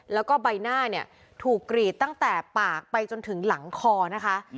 แล้วก็ใบหน้าเนี่ยถูกกรีดตั้งแต่ปากไปจนถึงหลังคอนะคะ